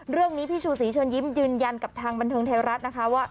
เรื่องนี้พี่ชูสีชนยิ้มยืนยันกับทางบันทึงไท้รัสนะคะว่า